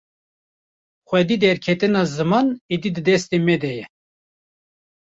Xwedî derketina ziman êdî di destê me de ye.